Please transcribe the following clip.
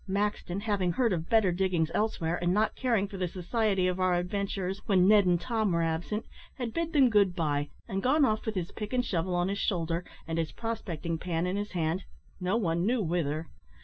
Maxton, having heard of better diggings elsewhere, and not caring for the society of our adventurers when Ned and Tom were absent, had bid them good bye, and gone off with his pick and shovel on his shoulder, and his prospecting pan in his hand, no one knew whither.